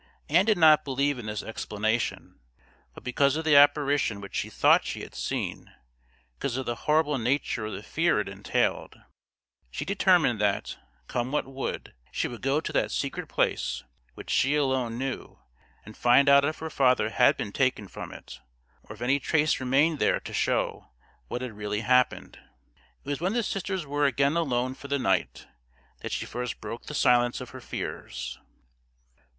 Ann did not believe in this explanation; but because of the apparition which she thought she had seen, because of the horrible nature of the fear it entailed, she determined that, come what would, she would go to that secret place which she alone knew and find out if her father had been taken from it or if any trace remained there to show what had really happened. It was when the sisters were again alone for the night that she first broke the silence of her fears.